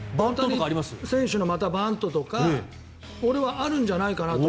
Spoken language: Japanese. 選手のバントとか俺はあるんじゃないかなと。